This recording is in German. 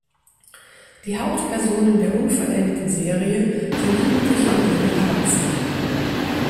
Die Hauptpersonen der unvollendeten Serie sind Jugendliche und junge Erwachsene.